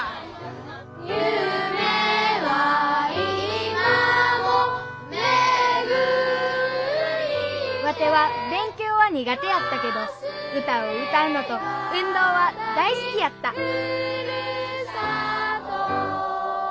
「夢は今もめぐりて」ワテは勉強は苦手やったけど歌を歌うのと運動は大好きやった「故郷」